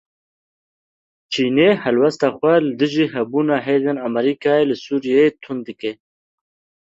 Çînê helwesta xwe li dijî hebûna hêzên Amerîkayê li Sûriyeyê tund dike.